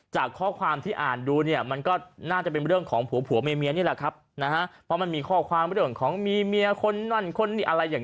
จากข้อความที่อ่านดูเนี่ยมันก็น่าจะเป็นเรื่องของผัวผัวเมียนี่แหละครับนะฮะเพราะมันมีข้อความเรื่องของมีเมียคนนั่นคนนี้อะไรอย่าง